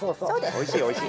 おいしいおいしい。